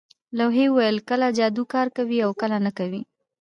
لوحې ویل کله جادو کار کوي او کله نه کوي